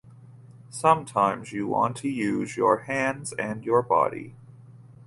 Sometimes you want to use your hands and your body.